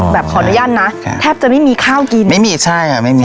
อ๋อแบบขออนุญาตนะครับแทบจะไม่มีข้าวกินไม่มีใช่อ่ะไม่มี